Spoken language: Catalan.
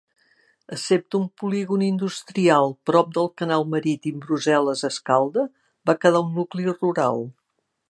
Excepte un polígon industrial prop del Canal marítim Brussel·les-Escalda, va quedar un nucli rural.